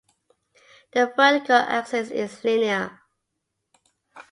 The vertical axis is linear.